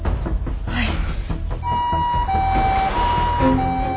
はい。